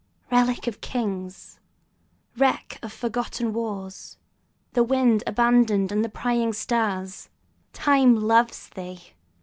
Relic of Kings! Wreck of forgotten wars, To winds abandoned and the prying stars, 10 Time 'loves' Thee!